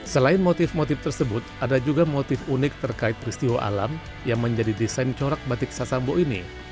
selain motif motif tersebut ada juga motif unik terkait peristiwa alam yang menjadi desain corak batik sasambu ini